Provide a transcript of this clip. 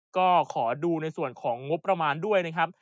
ก็ขอดูในส่วนของงบประมาณด้วยนะครับ